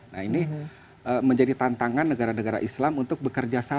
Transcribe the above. nah ini menjadi tantangan negara negara islam untuk berkembang